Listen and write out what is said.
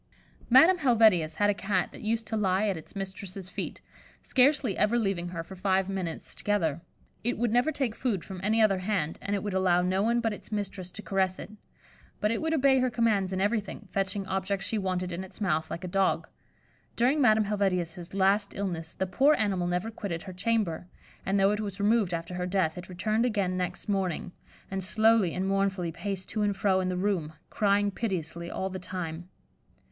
Madame Helvetius had a Cat that used to lie at its mistress's feet, scarcely ever leaving her for five minutes together. It would never take food from any other hand, and it would allow no one but its mistress to caress it; but it would obey her commands in everything, fetching objects she wanted in its mouth, like a dog. During Madame Helvetius's last illness, the poor animal never quitted her chamber, and though it was removed after her death, it returned again next morning, and slowly and mournfully paced to and fro in the room, crying piteously all the time.